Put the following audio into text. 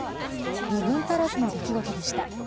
２分足らずの出来事でした。